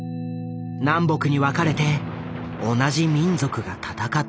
南北に分かれて同じ民族が戦っていた。